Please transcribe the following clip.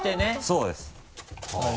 そうです。